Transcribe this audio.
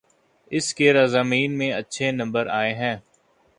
اس کے ریاضی میں اچھے نمبر آئے ہیں